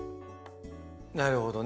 なるほどね。